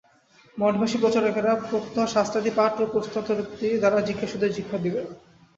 মঠবাসী প্রচারকেরা প্রত্যহ শাস্ত্রাদিপাঠ ও প্রশ্নোত্তরাদি দ্বারা জিজ্ঞাসুদের শিক্ষা দিবে।